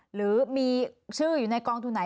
หรือมีชื่ออยู่ในกองทุนไหน